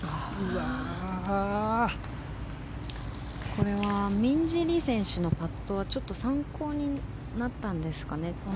これはミンジー・リー選手のパットが参考になったんですかね。